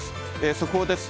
速報です。